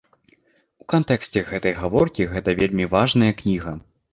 У кантэксце гэтай гаворкі гэта вельмі важная кніга.